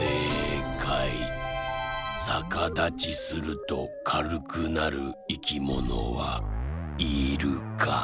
さかだちするとかるくなるいきものは「イルカ」。